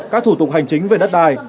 các thủ tục hành chính về đất đai